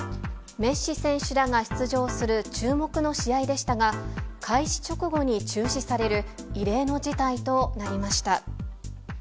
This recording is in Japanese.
メッシ選手らが出場する注目の試合でしたが、開始直後に中止される異例の事態となりました。